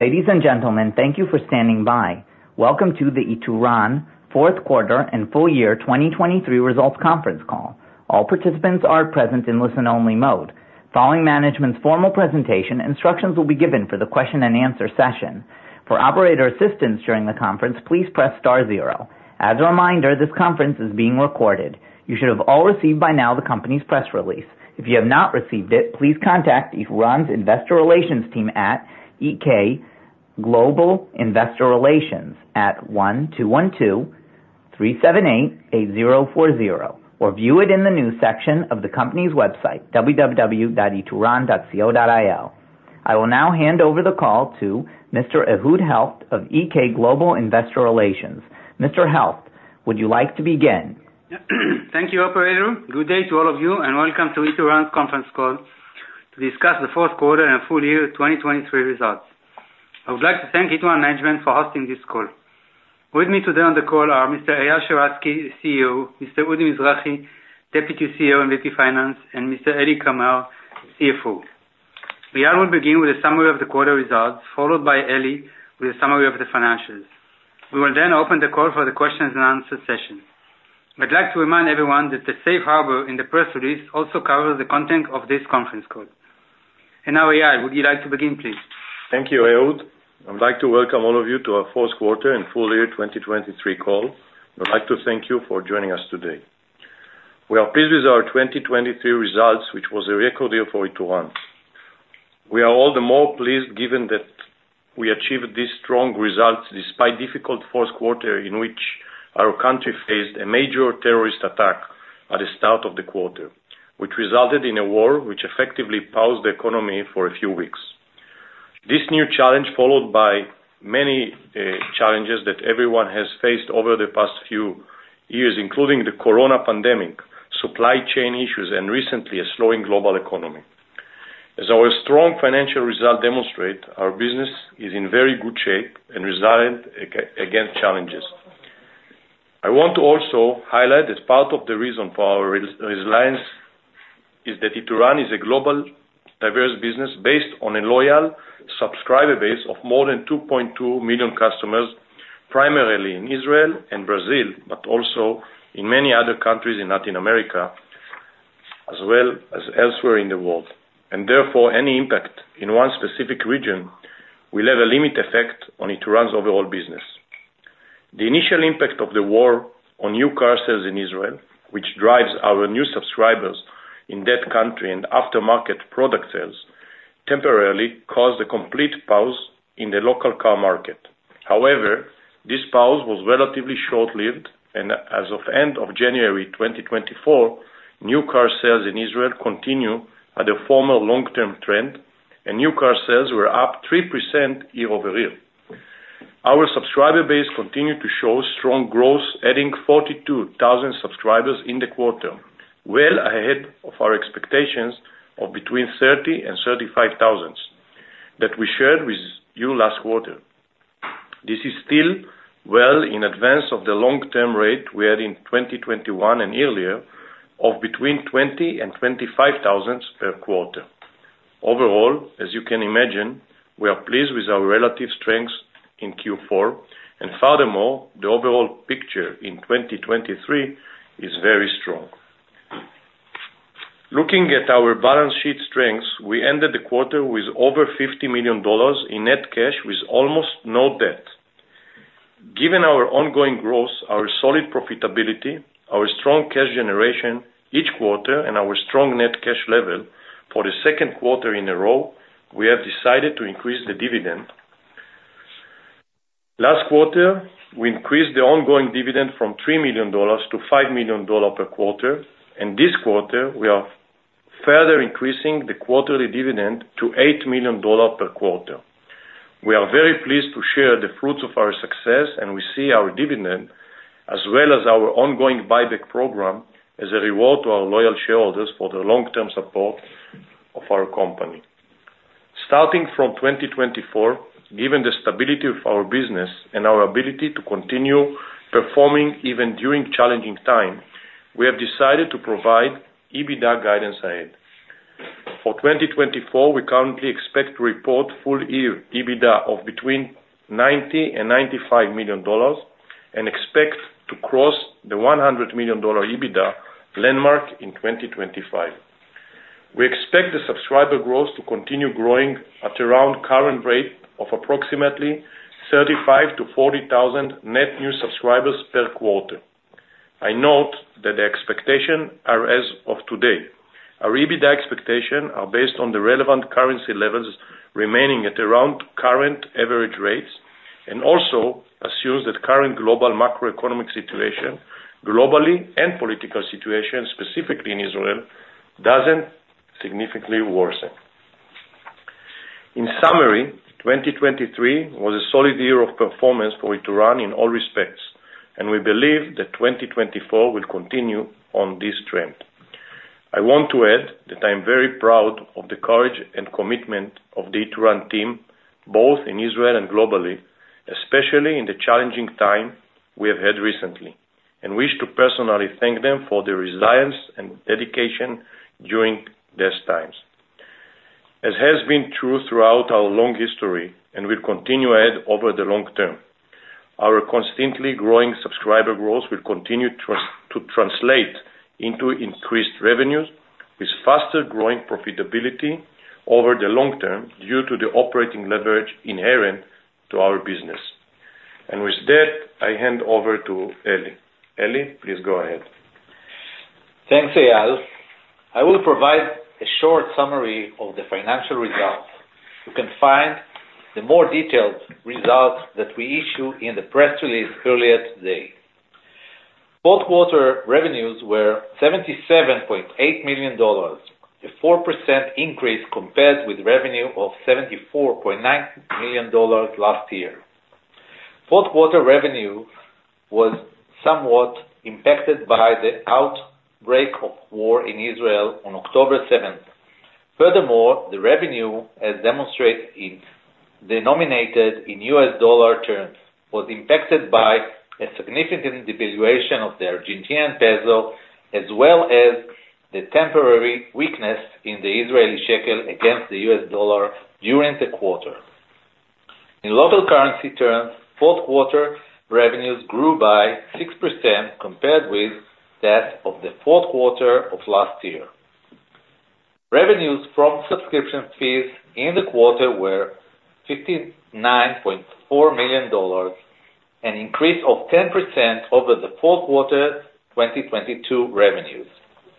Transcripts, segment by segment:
Ladies and gentlemen, thank you for standing by. Welcome to the Ituran fourth quarter and full year 2023 results conference call. All participants are present in listen-only mode. Following management's formal presentation, instructions will be given for the question and answer session. For operator assistance during the conference, please press star zero. As a reminder, this conference is being recorded. You should have all received by now the company's press release. If you have not received it, please contact Ituran's Investor Relations team at EK Global Investor Relations at 1-212-378-8040, or view it in the news section of the company's website, www.ituran.co.il. I will now hand over the call to Mr. Ehud Helft of EK Global Investor Relations. Mr. Helft, would you like to begin? Thank you, operator. Good day to all of you, and welcome to Ituran's conference call to discuss the fourth quarter and full year 2023 results. I would like to thank Ituran management for hosting this call. With me today on the call are Mr. Eyal Sheratzky, CEO, Mr. Udi Mizrahi, Deputy CEO and Deputy Finance, and Mr. Eli Kamer, CFO. Eyal will begin with a summary of the quarter results, followed by Eli with a summary of the financials. We will then open the call for the questions and answer session. I'd like to remind everyone that the Safe Harbor in the press release also covers the content of this conference call. And now, Eyal, would you like to begin, please? Thank you, Ehud. I'd like to welcome all of you to our fourth quarter and full year 2023 call. I'd like to thank you for joining us today. We are pleased with our 2023 results, which was a record year for Ituran. We are all the more pleased, given that we achieved these strong results despite difficult fourth quarter, in which our country faced a major terrorist attack at the start of the quarter, which resulted in a war which effectively paused the economy for a few weeks. This new challenge, followed by many challenges that everyone has faced over the past few years, including the Corona pandemic, supply chain issues, and recently, a slowing global economy. As our strong financial results demonstrate, our business is in very good shape and resilient against challenges. I want to also highlight that part of the reason for our resilience is that Ituran is a global, diverse business based on a loyal subscriber base of more than 2.2 million customers, primarily in Israel and Brazil, but also in many other countries in Latin America, as well as elsewhere in the world, and therefore, any impact in one specific region will have a limited effect on Ituran's overall business. The initial impact of the war on new car sales in Israel, which drives our new subscribers in that country and aftermarket product sales, temporarily caused a complete pause in the local car market. However, this pause was relatively short-lived, and as of end of January 2024, new car sales in Israel continue at a former long-term trend, and new car sales were up 3% year-over-year. Our subscriber base continued to show strong growth, adding 42,000 subscribers in the quarter, well ahead of our expectations of between 30,000 and 35,000 that we shared with you last quarter. This is still well in advance of the long-term rate we had in 2021 and earlier, of between 20,000 and 25,000 per quarter. Overall, as you can imagine, we are pleased with our relative strength in Q4, and furthermore, the overall picture in 2023 is very strong. Looking at our balance sheet strengths, we ended the quarter with over $50 million in net cash, with almost no debt. Given our ongoing growth, our solid profitability, our strong cash generation each quarter, and our strong net cash level for the second quarter in a row, we have decided to increase the dividend. Last quarter, we increased the ongoing dividend from $3 million to $5 million per quarter, and this quarter, we are further increasing the quarterly dividend to $8 million per quarter. We are very pleased to share the fruits of our success, and we see our dividend as well as our ongoing buyback program as a reward to our loyal shareholders for their long-term support of our company. Starting from 2024, given the stability of our business and our ability to continue performing even during challenging time, we have decided to provide EBITDA guidance ahead. For 2024, we currently expect to report full year EBITDA of between $90 million and $95 million and expect to cross the $100 million EBITDA landmark in 2025. We expect the subscriber growth to continue growing at around current rate of approximately 35,000-40,000 net new subscribers per quarter. I note that the expectation are as of today. Our EBITDA expectation are based on the relevant currency levels remaining at around current average rates, and also assumes that current global macroeconomic situation, globally and political situation, specifically in Israel, doesn't significantly worsen. In summary, 2023 was a solid year of performance for Ituran in all respects, and we believe that 2024 will continue on this trend. I want to add that I'm very proud of the courage and commitment of the Ituran team, both in Israel and globally, especially in the challenging time we have had recently... and wish to personally thank them for their resilience and dedication during these times. As has been true throughout our long history, and will continue ahead over the long term, our constantly growing subscriber growth will continue to translate into increased revenues, with faster growing profitability over the long term due to the operating leverage inherent to our business. With that, I hand over to Eli. Eli, please go ahead. Thanks, Eyal. I will provide a short summary of the financial results. You can find the more detailed results that we issued in the press release earlier today. Fourth quarter revenues were $77.8 million, a 4% increase compared with revenue of $74.9 million last year. Fourth quarter revenue was somewhat impacted by the outbreak of war in Israel on October 7th. Furthermore, the revenue, as demonstrated, denominated in U.S. dollar terms, was impacted by a significant devaluation of the Argentine peso, as well as the temporary weakness in the Israeli shekel against the U.S. dollar during the quarter. In local currency terms, fourth quarter revenues grew by 6% compared with that of the fourth quarter of last year. Revenues from subscription fees in the quarter were $59.4 million, an increase of 10% over the fourth quarter, 2022 revenues.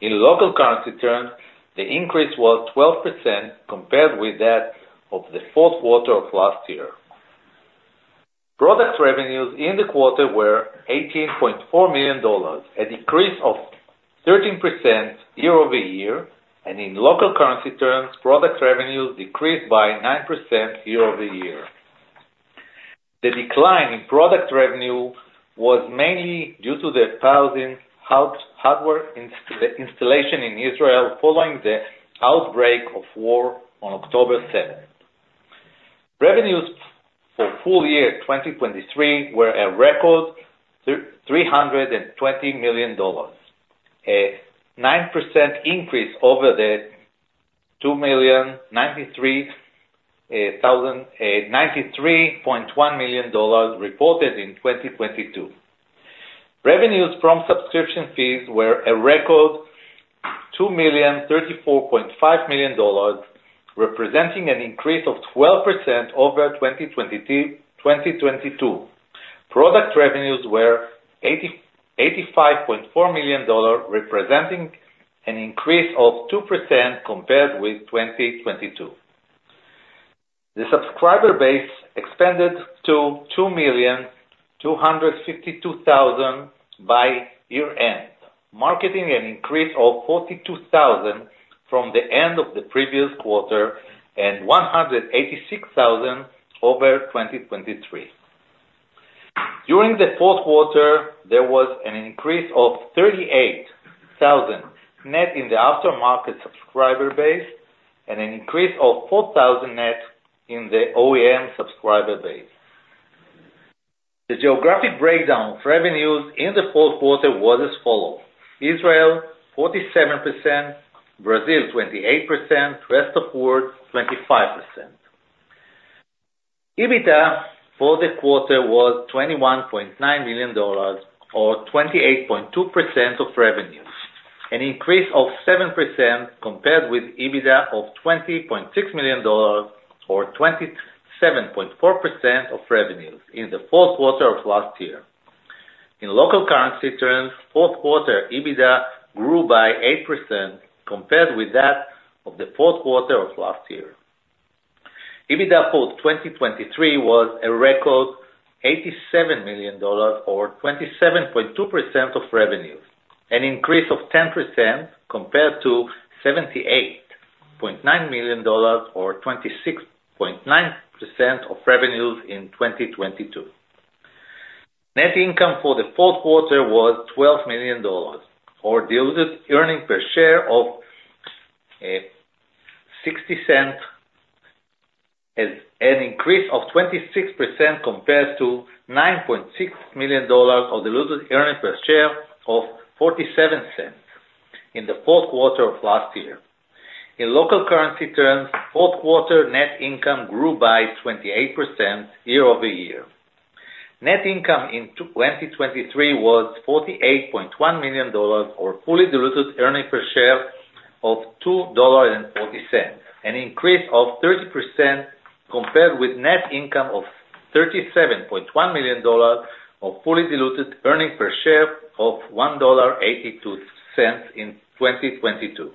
In local currency terms, the increase was 12% compared with that of the fourth quarter of last year. Product revenues in the quarter were $18.4 million, a decrease of 13% year-over-year, and in local currency terms, product revenues decreased by 9% year-over-year. The decline in product revenue was mainly due to the hardware installation in Israel following the outbreak of war on October 7. Revenues for full year 2023 were a record $320 million, a 9% increase over the $293.1 million reported in 2022. Revenues from subscription fees were a record $234.5 million, representing an increase of 12% over 2022. Product revenues were $85.4 million, representing an increase of 2% compared with 2022. The subscriber base expanded to 2,252,000 by year-end, marking an increase of 42,000 from the end of the previous quarter and 186,000 over 2023. During the fourth quarter, there was an increase of 38,000 net in the aftermarket subscriber base and an increase of 4,000 net in the OEM subscriber base. The geographic breakdown of revenues in the fourth quarter was as follows: Israel, 47%; Brazil, 28%; rest of world, 25%. EBITDA for the quarter was $21.9 million or 28.2% of revenues, an increase of 7% compared with EBITDA of $20.6 million or 27.4% of revenues in the fourth quarter of last year. In local currency terms, fourth quarter EBITDA grew by 8% compared with that of the fourth quarter of last year. EBITDA for 2023 was a record $87 million or 27.2% of revenues, an increase of 10% compared to $78.9 million or 26.9% of revenues in 2022. Net income for the fourth quarter was $12 million, or diluted earnings per share of $0.60, an increase of 26% compared to $9.6 million or diluted earnings per share of $0.47 in the fourth quarter of last year. In local currency terms, fourth quarter net income grew by 28% year-over-year. Net income in 2023 was $48.1 million, or fully diluted earnings per share of $2.40, an increase of 30% compared with net income of $37.1 million, or fully diluted earnings per share of $1.82 in 2022.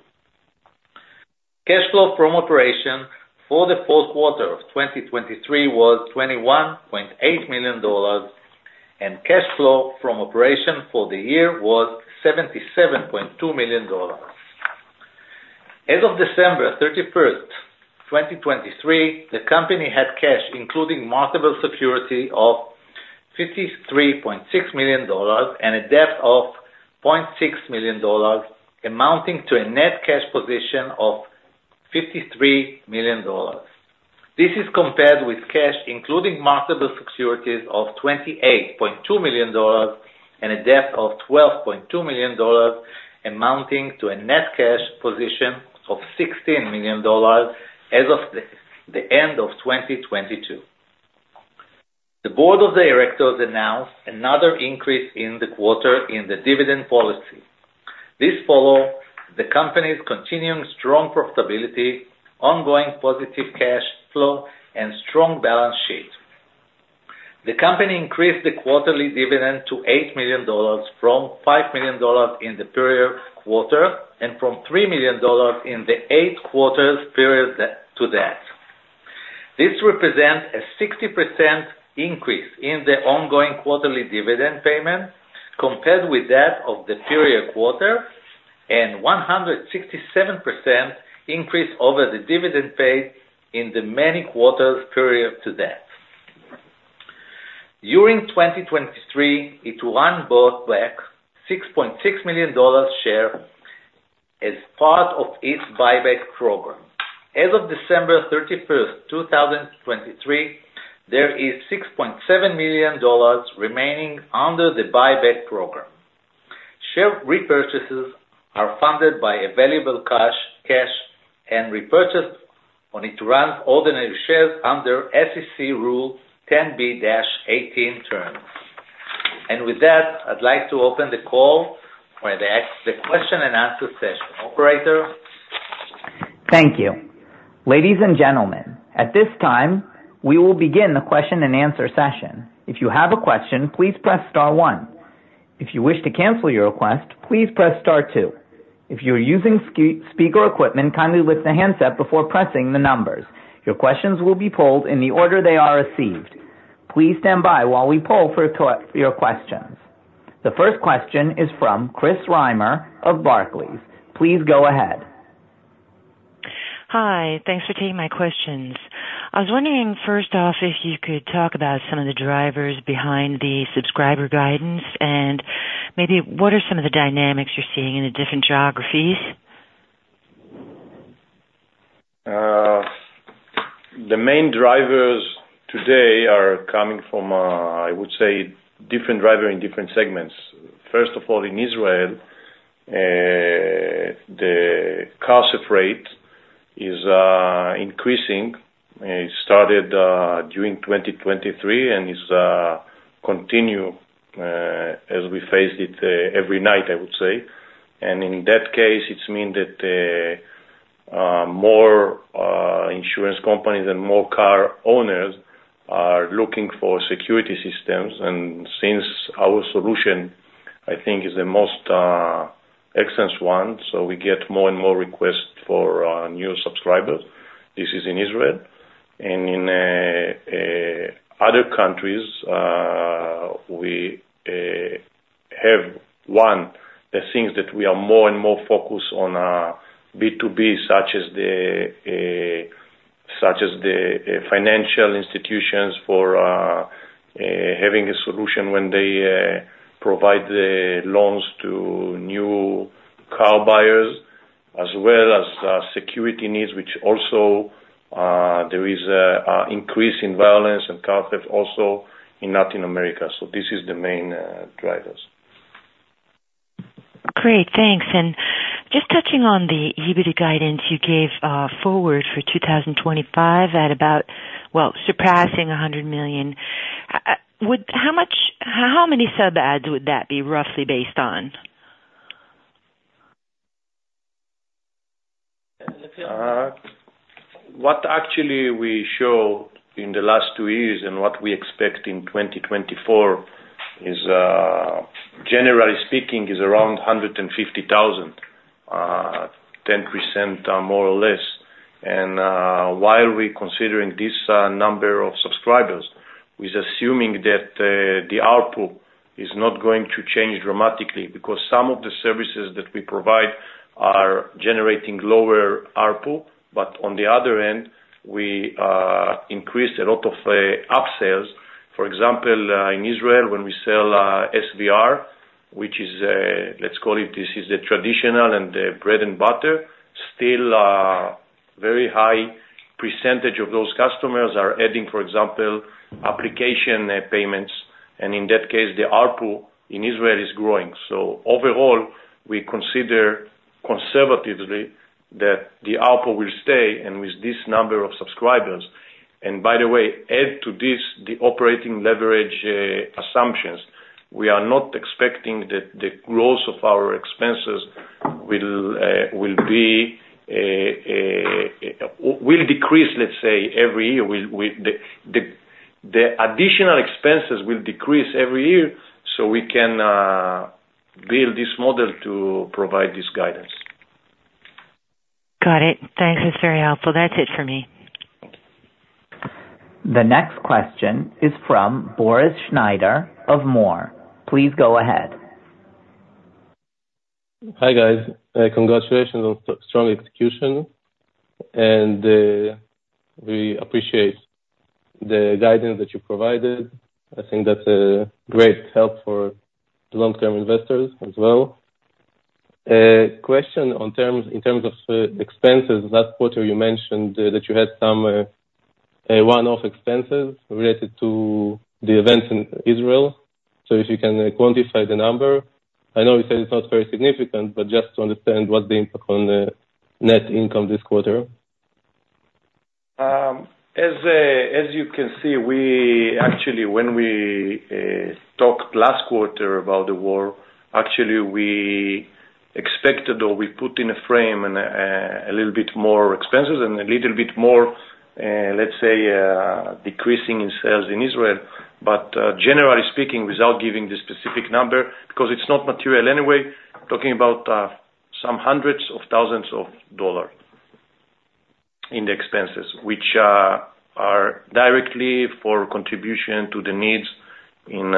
Cash flow from operation for the fourth quarter of 2023 was $21.8 million, and cash flow from operation for the year was $77.2 million. As of December 31, 2023, the company had cash, including marketable security, of $53.6 million and a debt of $0.6 million, amounting to a net cash position of $53 million. ...This is compared with cash, including marketable securities of $28.2 million and a debt of $12.2 million, amounting to a net cash position of $16 million as of the end of 2022. The board of directors announced another increase in the quarter in the dividend policy. This follow the company's continuing strong profitability, ongoing positive cash flow, and strong balance sheet. The company increased the quarterly dividend to $8 million from $5 million in the period quarter, and from $3 million in the eight quarters period to that. This represents a 60% increase in the ongoing quarterly dividend payment, compared with that of the period quarter, and 167% increase over the dividend paid in the many quarters period to that. During 2023, Ituran bought back $6.6 million shares as part of its buyback program. As of December 31, 2023, there is $6.7 million remaining under the buyback program. Share repurchases are funded by available cash and repurchased on Ituran's ordinary shares under SEC Rule 10b-18 terms. With that, I'd like to open the call for the question and answer session. Operator? Thank you. Ladies and gentlemen, at this time, we will begin the question and answer session. If you have a question, please press star one. If you wish to cancel your request, please press star two. If you're using speaker equipment, kindly lift the handset before pressing the numbers. Your questions will be pulled in the order they are received. Please stand by while we poll for your questions. The first question is from Chris Reimer of Barclays. Please go ahead. Hi. Thanks for taking my questions. I was wondering, first off, if you could talk about some of the drivers behind the subscriber guidance, and maybe what are some of the dynamics you're seeing in the different geographies? The main drivers today are coming from, I would say, different driver in different segments. First of all, in Israel, the car theft rate is increasing. It started during 2023 and is continue as we face it every night, I would say. In that case, it's mean that more insurance companies and more car owners are looking for security systems, and since our solution, I think, is the most excellent one, so we get more and more requests for new subscribers. This is in Israel. And in other countries, we have the things that we are more and more focused on, B2B, such as the financial institutions for having a solution when they provide the loans to new car buyers, as well as security needs, which also there is an increase in violence and car theft also in Latin America. So this is the main drivers. Great, thanks. And just touching on the EBITDA guidance you gave forward for 2025 at about, well, surpassing $100 million. Would—how much, how many sub adds would that be roughly based on? What actually we show in the last two years and what we expect in 2024 is, generally speaking, around 150,000, 10% more or less. And while we considering this number of subscribers, is assuming that the ARPU is not going to change dramatically, because some of the services that we provide are generating lower ARPU. But on the other end, we increase a lot of upsells. For example, in Israel, when we sell SVR, which is, let's call it, this is the traditional and bread and butter, still very high percentage of those customers are adding, for example, application payments, and in that case, the ARPU in Israel is growing. So overall, we consider conservatively that the ARPU will stay, and with this number of subscribers. And by the way, add to this the operating leverage assumptions. We are not expecting that the growth of our expenses will decrease, let's say, every year. With the additional expenses will decrease every year, so we can build this model to provide this guidance. Got it. Thanks. It's very helpful. That's it for me. The next question is from Boris Schneider of More. Please go ahead. Hi, guys. Congratulations on strong execution, and we appreciate the guidance that you provided. I think that's a great help for the long-term investors as well. Question on terms, in terms of expenses. Last quarter, you mentioned that you had some one-off expenses related to the events in Israel. So if you can quantify the number. I know you said it's not very significant, but just to understand what the impact on the net income this quarter. As you can see, we actually when we talked last quarter about the war, actually we expected or we put in a frame and a little bit more expenses and a little bit more, let's say, decreasing in sales in Israel. But generally speaking, without giving the specific number, because it's not material anyway, talking about some hundreds of thousands of dollars in the expenses, which are directly for contribution to the needs in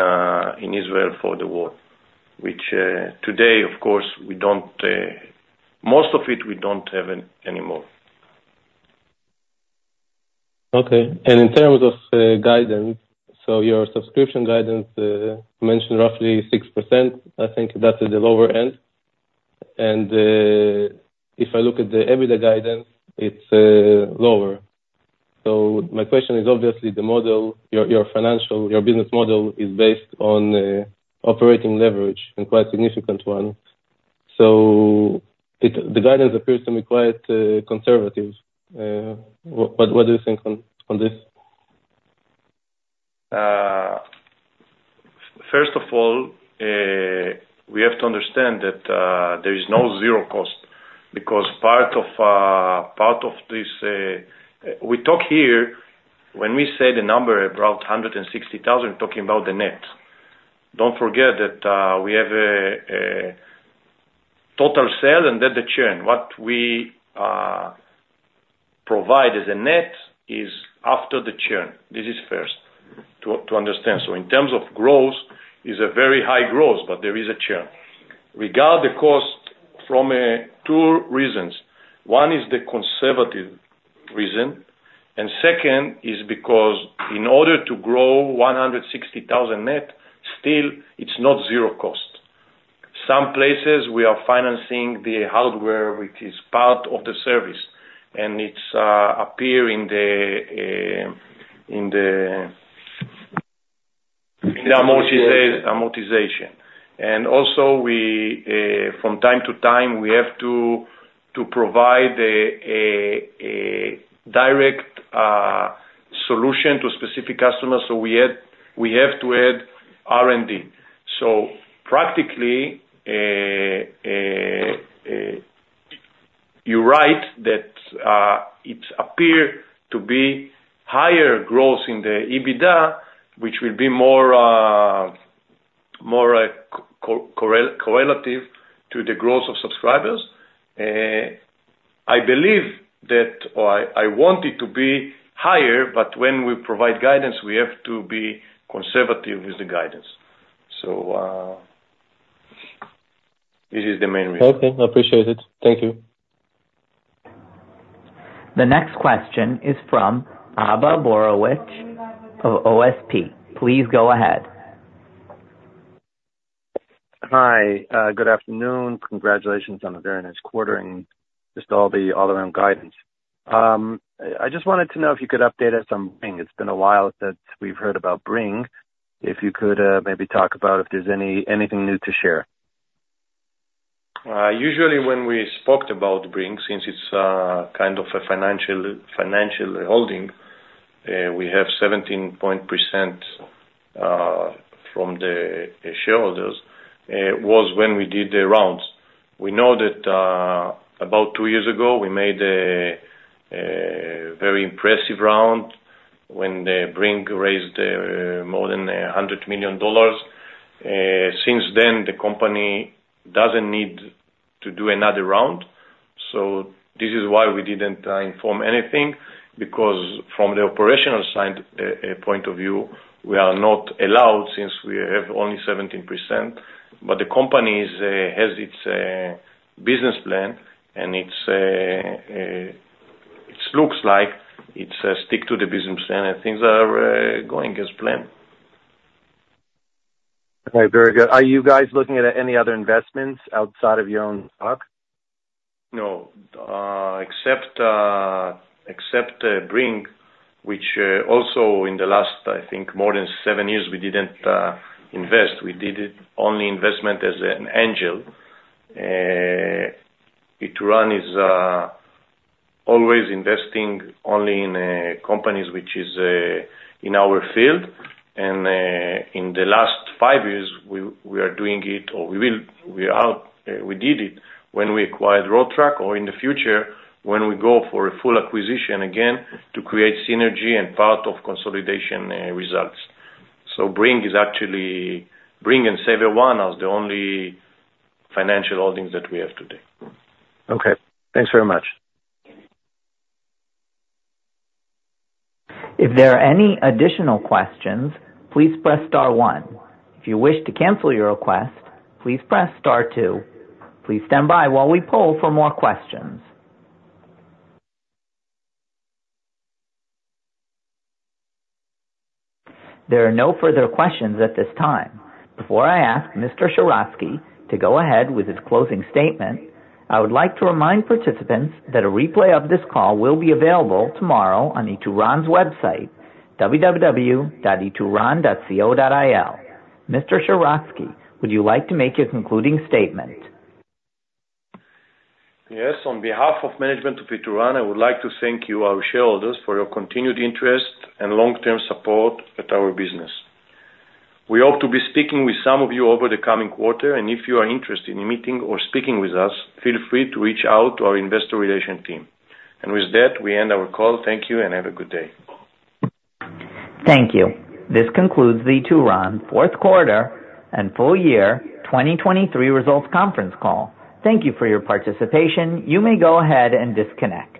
Israel for the war, which today, of course, we don't most of it, we don't have anymore. Okay. And in terms of guidance, so your subscription guidance mentioned roughly 6%. I think that's at the lower end. And if I look at the EBITDA guidance, it's lower. So my question is obviously the model, your financial, your business model is based on operating leverage and quite significant one. So the guidance appears to be quite conservative. What do you think on this? First of all, we have to understand that there is no zero cost, because part of this. We talk here, when we say the number about 160,000, talking about the net. Don't forget that we have a total sale and then the churn. What we provide as a net is after the churn. This is first to understand. So in terms of growth, is a very high growth, but there is a churn. We guard the cost from two reasons. One is the conservative reason, and second is because in order to grow 160,000 net, still, it's not zero cost. Some places we are financing the hardware, which is part of the service, and it appears in the amortization. And also we from time to time we have to provide a direct solution to specific customers, so we add, we have to add R&D. So practically, you're right, that it appear to be higher growth in the EBITDA, which will be more, more correlative to the growth of subscribers. I believe that, or I want it to be higher, but when we provide guidance, we have to be conservative with the guidance. So, this is the main reason. Okay, I appreciate it. Thank you. The next question is from Abba Horwitz of OSP. Please go ahead. Hi, good afternoon. Congratulations on a very nice quarter and just all the all around guidance. I just wanted to know if you could update us on Bringg. It's been a while since we've heard about Bringg. If you could, maybe talk about if there's anything new to share. Usually when we spoke about Bringg, since it's kind of a financial holding, we have 17% from the shareholders was when we did the rounds. We know that about 2 years ago, we made a very impressive round when the Bringg raised more than $100 million. Since then, the company doesn't need to do another round, so this is why we didn't inform anything, because from the operational side point of view, we are not allowed, since we have only 17%. But the company has its business plan, and it looks like it's stick to the business plan and things are going as planned. Okay, very good. Are you guys looking at any other investments outside of your own stock? No. Except Bringg, which also in the last, I think more than seven years, we didn't invest. We did it only investment as an angel. Ituran is always investing only in companies which is in our field. In the last five years, we are doing it or we will... We did it when we acquired Road Track or in the future, when we go for a full acquisition again, to create synergy and part of consolidation results. So Bringg is actually, Bringg and SaverOne are the only financial holdings that we have today. Okay, thanks very much. If there are any additional questions, please press star one. If you wish to cancel your request, please press star two. Please stand by while we poll for more questions. There are no further questions at this time. Before I ask Mr. Sheratzky to go ahead with his closing statement, I would like to remind participants that a replay of this call will be available tomorrow on Ituran's website, www.ituran.co.il. Mr. Sheratzky, would you like to make your concluding statement? Yes. On behalf of management of Ituran, I would like to thank you, our shareholders, for your continued interest and long-term support at our business. We hope to be speaking with some of you over the coming quarter, and if you are interested in meeting or speaking with us, feel free to reach out to our investor relation team. With that, we end our call. Thank you and have a good day. Thank you. This concludes the Ituran fourth quarter and full year 2023 results conference call. Thank you for your participation. You may go ahead and disconnect.